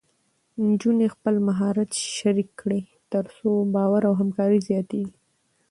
نجونې خپل مهارت شریک کړي، تر څو باور او همکاري زیاتېږي.